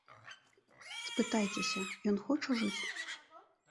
Спытайцеся, ён хоча жыць?